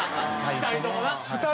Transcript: ２人とも。